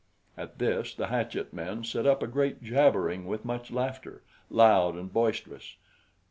At this the hatchet men set up a great jabbering with much laughter, loud and boisterous.